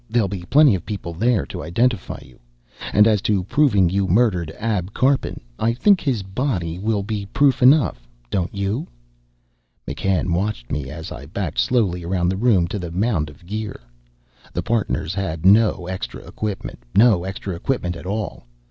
There'll be plenty of people there to identify you. And as to proving you murdered Ab Karpin, I think his body will be proof enough, don't you?" McCann watched me as I backed slowly around the room to the mound of gear. The partners had had no extra equipment, no extra equipment at all.